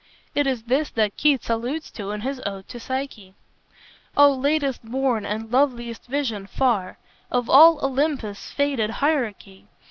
It is this that Keats alludes to in his "Ode to Psyche": "O latest born and loveliest vision far Of all Olympus' faded hierarchy!